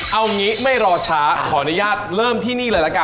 เอางี้ไม่รอช้าขออนุญาตเริ่มที่นี่เลยละกัน